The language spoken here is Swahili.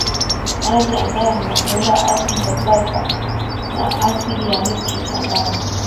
maji angani na kuunda asidi ya salfa na asidi ya nitriki ambayo